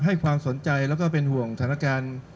ให้ความสนใจแล้วก็เป็นห่วงสถานการณ์